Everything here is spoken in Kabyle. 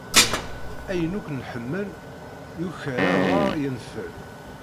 Ayen akk nḥemmel yuker aḍaṛ yenfel.